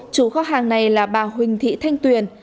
chủ kho hàng này là bà huỳnh thị thanh tuyền